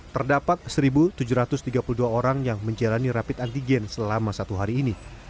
terdapat satu tujuh ratus tiga puluh dua orang yang menjalani rapid antigen selama satu hari ini